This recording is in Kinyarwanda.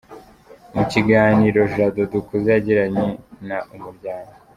Mu kiganiro Jado Dukuze yagiranye na Umuryango.